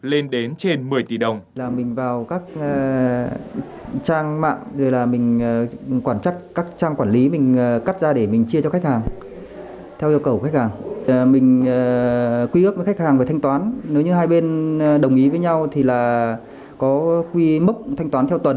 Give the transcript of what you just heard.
lên đến trên một mươi tỷ đồng